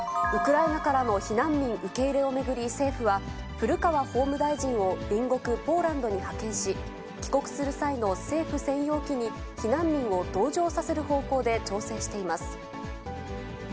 ウクライナからの避難民受け入れを巡り、政府は、古川法務大臣を隣国ポーランドに派遣し、帰国する際の政府専用機に避難民を同乗させる方向で調整しています。